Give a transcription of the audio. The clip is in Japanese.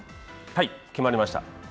はい、決まりました。